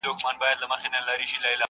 ځناور يې له لكيو بېرېدله!